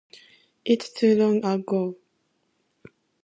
It is too long ago.